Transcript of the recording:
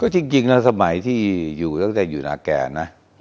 จริงนะสมัยที่อยู่ตั้งแต่อยู่นาแก่นะ